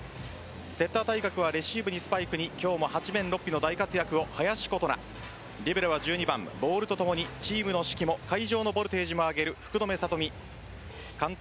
セッター対角はレシーブにスパイクに今日も八面六臂の大活躍を林琴奈リベロは１２番ボールとともにチームの士気も会場のボルテージも上げる福留慧美。